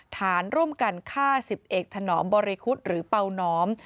ฐานร่วมกันฆ่า๑๐เอกถนอมบริคุธหรือเป่าน้อม